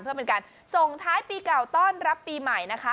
เพื่อเป็นการส่งท้ายปีเก่าต้อนรับปีใหม่นะคะ